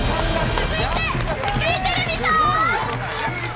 続いて、福井テレビさん。